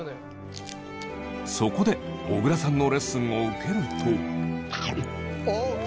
そこで小倉さんのレッスンを受けると。